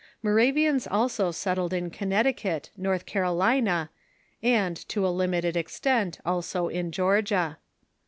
Moravians also settled in Connecticut, North Cai'olina, and, to a limited extent, also in Georgia.